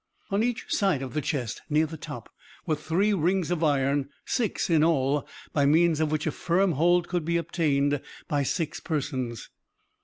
On each side of the chest, near the top, were three rings of iron six in all by means of which a firm hold could be obtained by six persons.